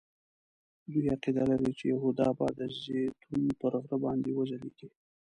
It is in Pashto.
دوی عقیده لري چې یهودا به د زیتون پر غره باندې وځلیږي.